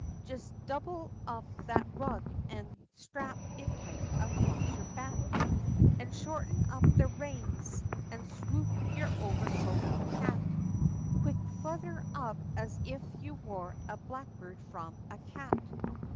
Just double up that rug, an' sthrap it tight across her back, An' shorten up the reins, an' swop yer overcoat an' hat, Quick! flutther up, as if you wor a blackbird from a cat!"